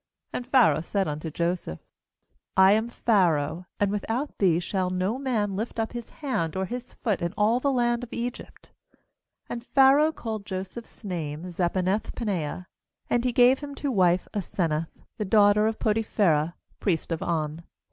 ^And Pharaoh said unto Joseph: CI am Pharaoh, and without thee shall no man lift up his hand or his foot in all the land of rfc/ «And Pharaoh called Jo 's name Zaphenath paneah; and he" gave him to wife Asenath the daughter of Poti phera priest of On.